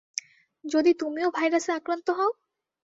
যদি তুমিও ভাইরাসে আক্রান্ত হও?